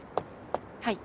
はい。